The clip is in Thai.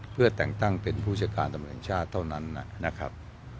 เพื่อแต่งตั้งเป็นผู้จัดการตำรวจแห่งชาติเท่านั้นนะครับ